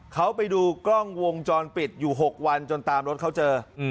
เขาไปดูกล้องวงจรปิดอยู่๖วันจนตามรถเขาเจอ